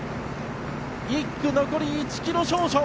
１区、残り１ｋｍ少々。